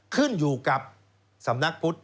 ขึ้นอยู่กับสำนักพุทธ